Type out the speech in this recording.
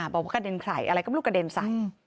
บอกว่ากระเด็นไข่อะไรก็ไม่รู้กระเด็นใส่